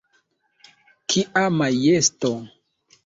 Kia majesto!